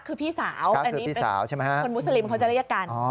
กะคือพี่สาวคนมุสลิมเขาจะเรียกกัน